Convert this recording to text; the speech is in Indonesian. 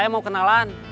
saya mau kenalan